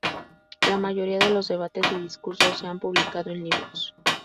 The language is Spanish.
La mayoría de los debates y discursos se han publicado en libros.